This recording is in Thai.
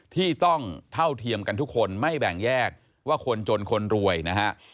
ที่ต้องเท่าเทียมกันทุกคนไม่แบ่งแยกว่าคนจนคนรวยนะฮะ